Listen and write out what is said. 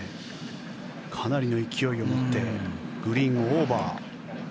かなりの勢いを持ってグリーンをオーバー。